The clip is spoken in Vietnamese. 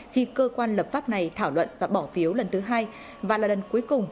khi cơ quan lập pháp này thảo luận và bỏ phiếu lần thứ hai và là lần cuối cùng